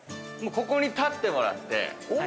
ここに立ってもらって。